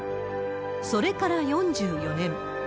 それから４４年。